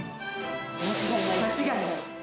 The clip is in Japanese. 間違いない。